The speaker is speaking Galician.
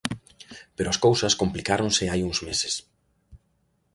Pero as cousas complicáronse hai uns meses.